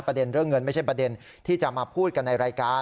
ประเด็นเรื่องเงินไม่ใช่ประเด็นที่จะมาพูดกันในรายการ